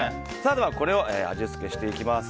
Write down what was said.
では、味付けしていきます。